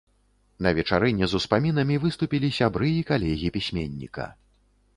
На вечарыне з успамінамі выступілі сябры і калегі пісьменніка.